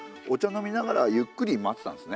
飲みながらゆっくり待ってたんですね。